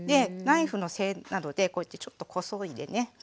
ナイフの背などでこうやってちょっとこそいでね